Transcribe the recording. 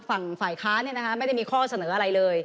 ฝั่งฝ่ายค้าเนี่ยนะคะไม่ได้มีข้อเสนออะไรเลย